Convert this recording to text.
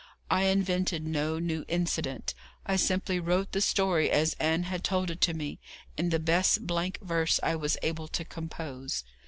I invented no new incident; I simply wrote the story as Ann had told it to me, in the best blank verse I was able to compose.